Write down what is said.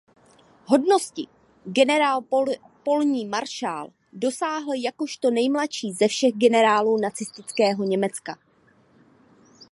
Hodnosti "generál polní maršál" dosáhl jakožto nejmladší ze všech generálů nacistického Německa.